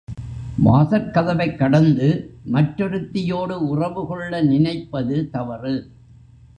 வாசற்கதவைக் கடந்து மற்றொருத்தியோடு உறவு கொள்ள நினைப்பது தவறு.